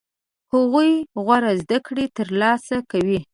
هغوی غوره زده کړې ترلاسه کوي.